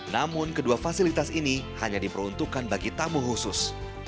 namun kedua fasilitas ini hanya diperuntukkan bagi tamu khusus